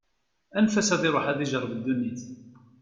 Anef-as ad iṛuḥ, ad ijeṛṛeb ddunit.